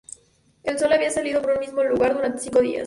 El sol había salido por el mismo lugar durante cinco días.